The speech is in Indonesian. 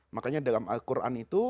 makanya dalam al quran itu